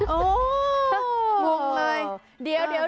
โอ้โฮมุ่งเลย